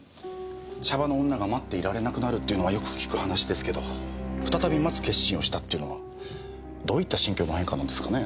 シャバの女が待っていられなくなるっていうのはよく聞く話ですけど再び待つ決心をしたっていうのはどういった心境の変化なんですかね？